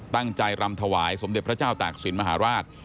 รำถวายสมเด็จพระเจ้าตากศิลปมหาราช